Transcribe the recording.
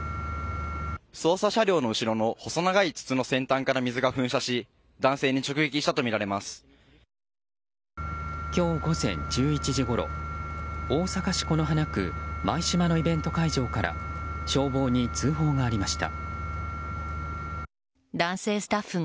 捜査車両の後ろの細長い筒の先端から水が噴射し今日午前１１時ごろ大阪市此花区舞洲のイベント会場から消防に通報がありました。